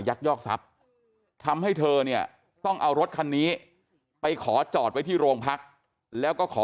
ยอกทรัพย์ทำให้เธอเนี่ยต้องเอารถคันนี้ไปขอจอดไว้ที่โรงพักแล้วก็ขอ